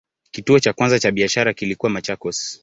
Kituo cha kwanza cha biashara kilikuwa Machakos.